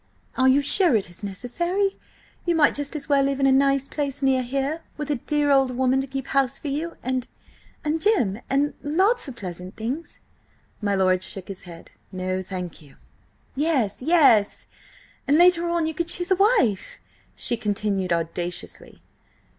"Are you sure it is necessary? You might just as well live in a nice place near here, with a dear old woman to keep house for you–and–and Jim–and–lots of pleasant things." My lord shook his head. "No, thank you!" "Yes, yes! And later on you could choose a wife!" she continued audaciously.